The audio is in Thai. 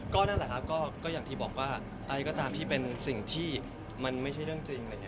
นั่นแหละครับก็อย่างที่บอกว่าอะไรก็ตามที่เป็นสิ่งที่มันไม่ใช่เรื่องจริงอะไรอย่างนี้